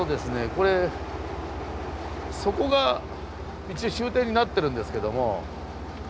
これそこが一応終点になってるんですけども。